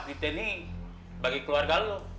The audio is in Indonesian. di teni bagi keluarga lo